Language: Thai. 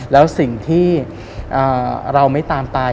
แล้วสิ่งที่เราไม่ตามตาย